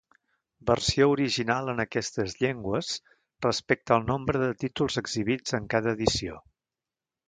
Versió original en aquestes llengües, respecte al nombre de títols exhibits en cada edició.